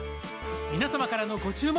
皆様からのご注文